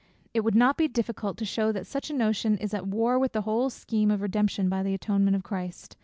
It would not be difficult to shew that such a notion is at war with the whole scheme of redemption by the atonement of Christ.